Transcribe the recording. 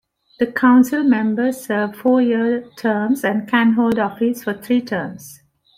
The council members serve four year terms and can hold office for three terms.